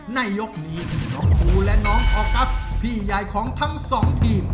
ในยกนี้น้องกูและน้องพี่ยายของทั้งสองทีม